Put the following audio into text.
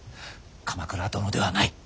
鎌倉殿ではない。